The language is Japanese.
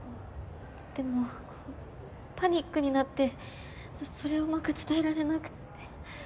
でもパニックになってそれをうまく伝えられなくて。